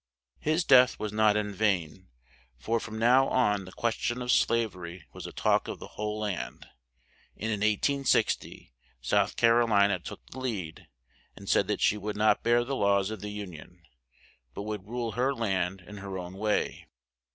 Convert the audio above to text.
His death was not in vain, for from now on the ques tion of sla ver y was the talk of the whole land, and in 1860 South Car o li na took the lead and said that she would not bear the laws of the Un ion, but would rule her land in her own way.